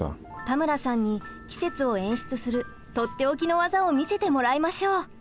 田村さんに季節を演出するとっておきの技を見せてもらいましょう！